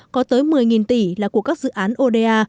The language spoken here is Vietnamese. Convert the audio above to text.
có tới một mươi tỷ là của các dự án oda